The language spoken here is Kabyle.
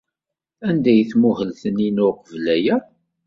Anda ay tmuhel Taninna uqbel aya?